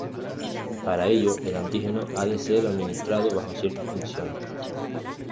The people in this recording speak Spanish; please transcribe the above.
Para ello, el antígeno ha de ser administrado bajo ciertas condiciones.